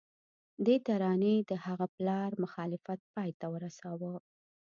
دې ترانې د هغه د پلار مخالفت پای ته ورساوه